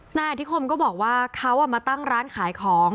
นายอธิคมก็บอกว่าเขามาตั้งร้านขายของ